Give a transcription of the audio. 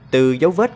từ dấu vết